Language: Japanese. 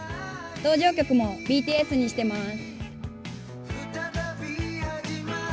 登場曲もＢＴＳにしています。